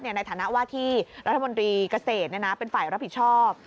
ในฐานะว่าที่รัฐมนตรีเกษตรเป็นฝ่ายรับผิดชอบ